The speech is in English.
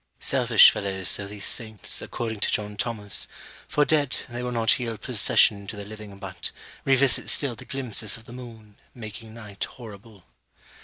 Selfish fellows though these saints, according to John Thomas; for, dead, they will not yield possession to the living, but Revisit still the glimpses of the moon Making night horrible.